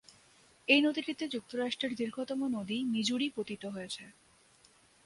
এই নদীটিতে যুক্তরাষ্ট্রের দীর্ঘতম নদী মিজুরি পতিত হয়েছে।